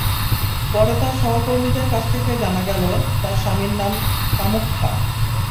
পরে তাঁর সহকর্মীদের কাছ থেকে জানা গেল, তাঁর স্বামীর নাম কামুখ্খা।